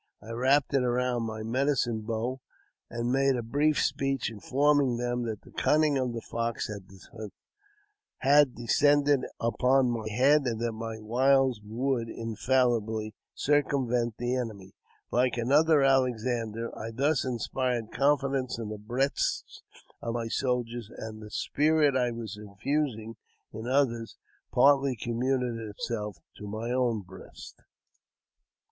I wrapped it round my medicine bow, and made a brief speech, informing them that the cunning of the fox had descended upon my head, and that my wiles would infallibly circumvent the enemy. Like another Alex ander, I thus inspired confidence in the breasts of my soldiers, and the spirit I was infusing in others partly communicated itself to my own breast.